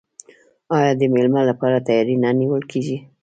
آیا د میلمه لپاره تیاری نه نیول کیږي؟